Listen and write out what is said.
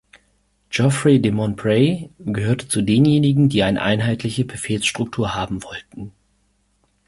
Geoffroy de Montbray gehörte zu denjenigen, die eine einheitliche Befehlsstruktur haben wollten.